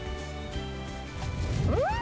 うん！